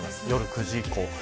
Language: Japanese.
夜９時以降。